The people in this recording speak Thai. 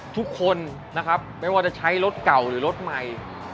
ทุกคนนะครับไม่ว่าจะใช้รถเก่าหรือรถใหม่